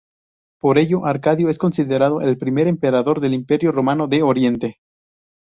Por ello Arcadio es considerado el primer emperador del Imperio romano de Oriente.